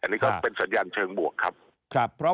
อันนี้ก็เป็นสัญญาณเชิงบวกครับ